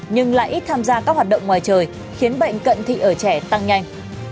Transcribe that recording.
nhưng lại ít tham gia các hoạt động ngoài trời khiến bệnh cận thị ở trẻ tăng nhanh